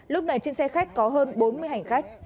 lúc này trên xe khách có hơn bốn mươi hành khách